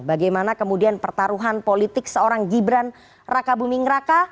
bagaimana kemudian pertaruhan politik seorang gibran raka buming raka